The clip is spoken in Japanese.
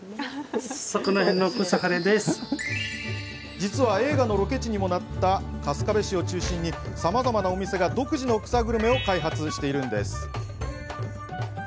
実は、映画のロケ地にもなった春日部市を中心にさまざまなお店が独自の草グルメを開発しているんです。